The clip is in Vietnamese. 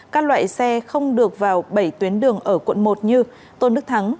các loại xe không được vào bảy tuyến đường ở quận một như tôn đức thắng